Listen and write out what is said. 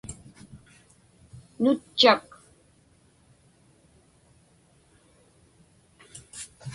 nutchak